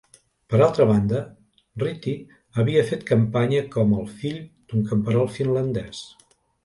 Per altra banda, Ryti havia fet campanya com el fill d'un camperol finlandès.